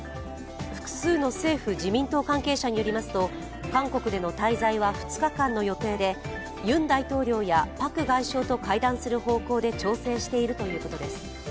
複数の政府・自民党関係者によりますと、韓国での滞在は２日間の予定でユン大統領やパク外相と会談する方向で調整しているということです。